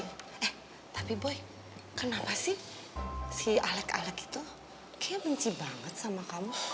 eh tapi boy kenapa sih si aleg alek itu kayaknya benci banget sama kamu